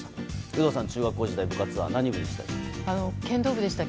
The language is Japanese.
有働さん、中学校時代部活は何部でした？